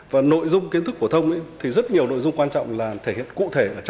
và nội dung kiến thức phổ thông thì rất nhiều nội dung quan trọng là thể hiện cụ thể